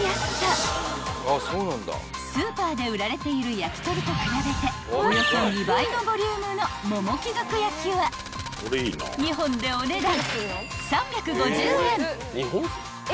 ［スーパーで売られている焼き鳥と比べておよそ２倍のボリュームのもも貴族焼は２本でお値段］